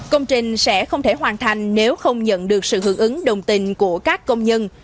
công trình sẽ không thể hoàn thành nếu không nhận được sự hưởng ứng đồng tình của các công nhân